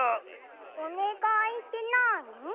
おねがいってなに？